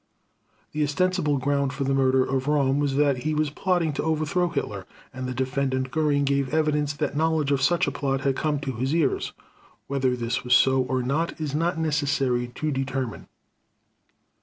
The ostensible ground for the murder of Röhm was that he was plotting to overthrow Hitler, and the Defendant Göring gave evidence that knowledge of such a plot had come to his ears. Whether this was so or not it is not necessary to determine.